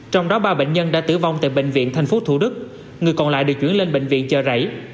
trong đó ba bệnh nhân đã tử vong tại bệnh viện tp thủ đức người còn lại được chuyển lên bệnh viện chợ rẫy